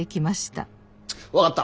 分かった。